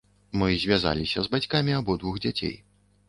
Мы звязаліся з бацькамі абодвух дзяцей.